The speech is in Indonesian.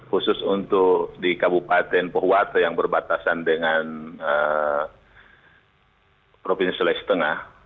khusus untuk di kabupaten pohuata yang berbatasan dengan provinsi lestengah